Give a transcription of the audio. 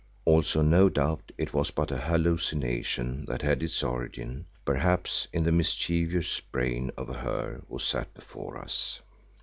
Also no doubt it was but a hallucination that had its origin, perhaps, in the mischievous brain of her who sat before us.